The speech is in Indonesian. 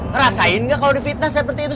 ngerasain nggak kalau di fitnah seperti itu